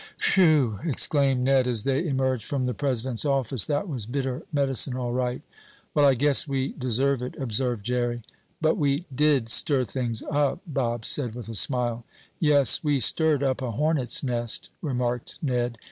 "Whew!" exclaimed Ned as they emerged from the president's office, "that was bitter medicine all right." "Well, I guess we deserve it," observed Jerry. "But we did stir things up," Bob said, with a smile. "Yes, we stirred up a hornet's nest," remarked Ned.